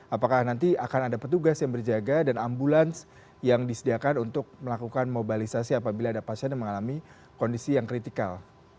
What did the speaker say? apakah nanti akan ada petugas yang berjaga dan ambulans yang disediakan untuk melakukan mobilisasi apabila ada pasien yang mengalami kondisi yang kritikal